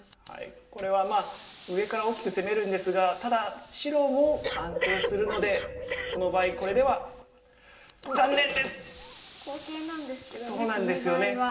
これはまあ上から大きく攻めるんですがただ白も安定するのでこの場合これでは好形なんですけどねこの場合は。